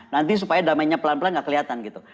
nanti supaya damainya pelan pelan gak kelihatan gitu